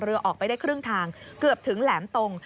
ออกไปได้ครึ่งทางเกือบถึงแหลมตรง